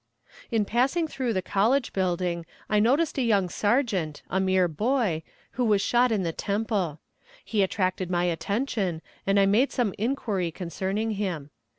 In passing through the college building I noticed a young sergeant, a mere boy, who was shot in the temple. He attracted my attention, and I made some inquiry concerning him.